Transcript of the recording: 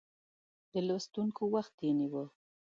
لوستونکو وخت یې نیوی.